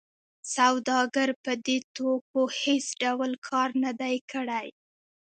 سوداګر په دې توکو هېڅ ډول کار نه دی کړی